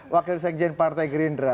wakil sekjen partai gerindra